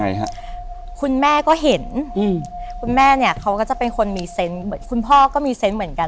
ยังไงฮะคุณแม่ก็เห็นอืมคุณแม่เนี้ยเขาก็จะเป็นคนมีเซนต์เหมือนคุณพ่อก็มีเซนต์เหมือนกัน